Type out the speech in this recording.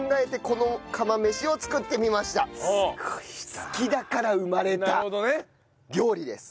好きだから生まれた料理です。